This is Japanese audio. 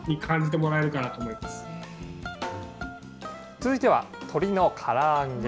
続いては鶏のから揚げ。